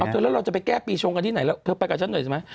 เธอแล้วเราจะไปแก้ปีชงกันที่ไหนแล้วเธอไปกับฉันหน่อยใช่ไหม